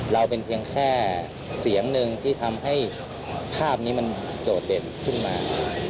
เราเป็นเพียงแค่เสียงหนึ่งที่ทำให้ภาพนี้มันโดดเด่นขึ้นมา